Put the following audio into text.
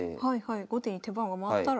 後手に手番が回ったら。